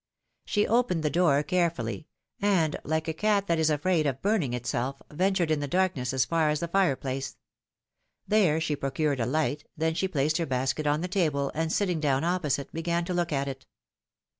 She opened the door carefully, and, like a cat that is afraid of burning itself, ventured in the darkness as far as the fireplace; there she procured herself a light, then she placed her basket on the table, and sitting down opposite, began to look at it.